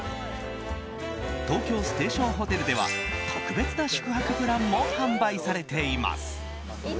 東京ステーションホテルでは特別な宿泊プランも販売されています。